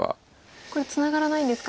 これツナがらないんですか。